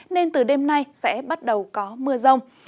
nên từ đêm nay sẽ bắt đầu có mưa rông